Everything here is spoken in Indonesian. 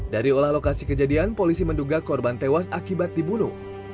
dari olah lokasi kejadian polisi menduga korban tewas akibat dibunuh